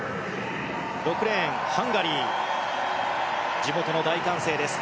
６レーン、ハンガリー地元の大歓声です。